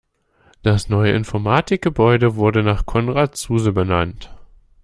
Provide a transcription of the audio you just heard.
Das neue Informatikgebäude wurde nach Konrad Zuse benannt.